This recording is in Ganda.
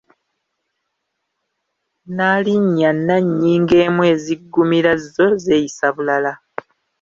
Nnalinnya nnannyingeemu eziggumira, zo zeeyisa bulala.